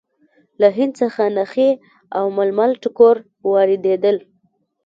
له هند څخه نخي او ململ ټوکر واردېدل.